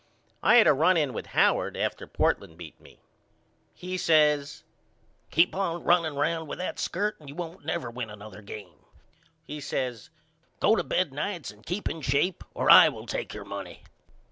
I had a run in with Howard after Portland had beat me. He says Keep on running round with that skirt and you won't never win another game. He says Go to bed nights and keep in shape or I will take your money.